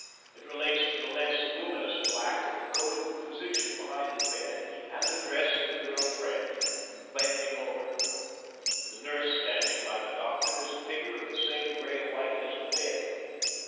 It relates to the less luminous black of the coat of the physician behind the bed and the dress of the girl friend bending over her. The nurse standing by the doctor is a figure of the same gray white as the bed.